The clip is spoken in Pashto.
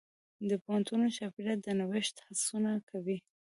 د پوهنتون چاپېریال د نوښت هڅونه کوي.